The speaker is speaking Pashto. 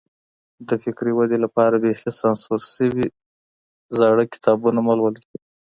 د فکري ودې لپاره بېخي سانسور سوي زړه کتابونه مه لولئ.